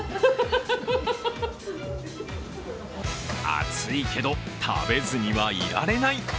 熱いけど食べずにはいられない。